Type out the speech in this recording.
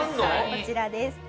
こちらです。